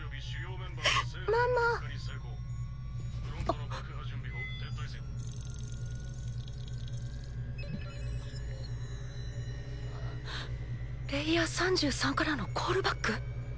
あっレイヤー３３からのコールバック？